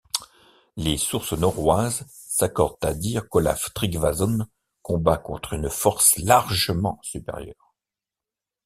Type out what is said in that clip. Les sources norroises s'accordent à dire qu'Olaf Tryggvason combat contre une force largement supérieure.